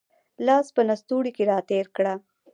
لاس په لستوڼي کې را تېر کړه